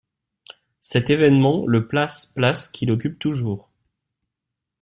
Cet événement, le place place qu'il occupe toujours.